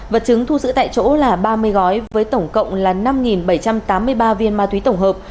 vật chứng thu giữ tại chỗ là ba mươi gói với tổng cộng là năm bảy trăm tám mươi ba viên ma túy tổng hợp